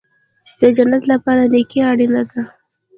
د جنت لپاره نیکي اړین ده